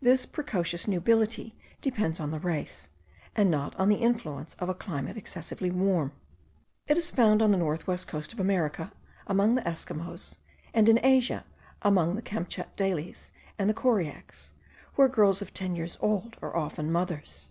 This precocious nubility depends on the race, and not on the influence of a climate excessively warm. It is found on the north west coast of America, among the Esquimaux, and in Asia, among the Kamtschatdales, and the Koriaks, where girls of ten years old are often mothers.